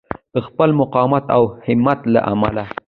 د خپل مقاومت او همت له امله.